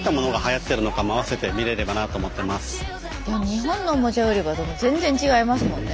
日本のオモチャ売り場と全然違いますもんね。